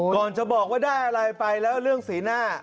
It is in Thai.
จะบอกว่าได้อะไรไปแล้วเรื่องสีหน้า